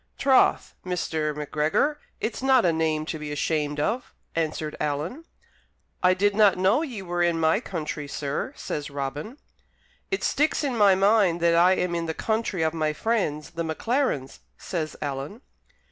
"Troth, Mr. Macgregor, it's not a name to be ashamed of," answered Alan. "I did not know ye were in my country, sir," says Robin. "It sticks in my mind that I am in the country of my friends, the Maclarens," says Alan.